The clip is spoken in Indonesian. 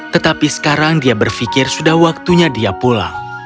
tetapi sekarang dia berpikir sudah waktunya dia pulang